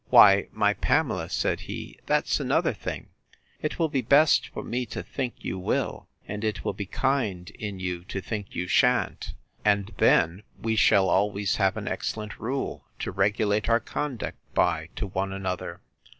Why, my Pamela, said he, that's another thing: It will be best for me to think you will; and it will be kind in you to think you shan't; and then we shall always have an excellent rule to regulate our conduct by to one another.